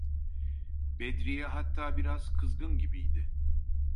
Bedri’ye hatta biraz kızgın gibiydi.